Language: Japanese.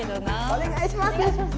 お願いします。